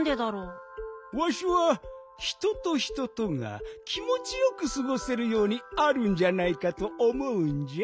わしは人と人とが気もちよくすごせるようにあるんじゃないかとおもうんじゃ。